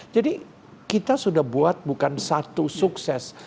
jadi kita sudah buat bukan satu sukses